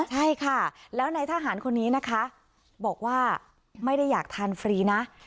ใช่ค่ะแล้วในทหารคนนี้นะคะบอกว่าไม่ได้อยากทานฟรีนะ